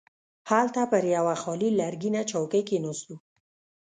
هلته پر یوه خالي لرګینه چوکۍ کښیناستو.